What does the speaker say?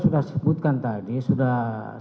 tidak contain di sini